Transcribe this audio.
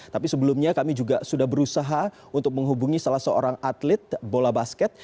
tapi sebelumnya kami juga sudah berusaha untuk menghubungi salah seorang atlet bola basket